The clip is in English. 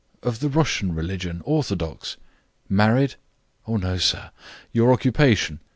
"Of the Russian religion, orthodox." "Married?" "Oh, no, sir." "Your occupation?"